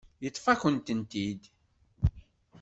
Yeṭṭef-ak-tent-id.